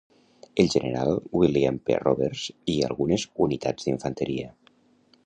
El General William P. Roberts i algunes unitats d'infanteria.